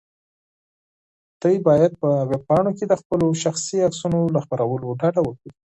تاسو باید په ویبپاڼو کې د خپلو شخصي عکسونو له خپرولو ډډه وکړئ.